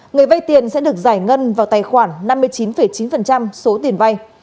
người vay tiền sẽ được giải ngân vào tài khoản năm mươi chín chín số tiền vay